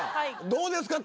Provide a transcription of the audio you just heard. どうですか？